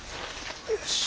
よし。